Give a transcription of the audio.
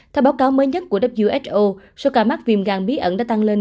theo báo cáo mới nhất của who số ca mắc viêm gan bí ẩn đã tăng lên